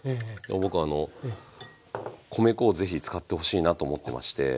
僕はあの米粉を是非使ってほしいなと思ってまして。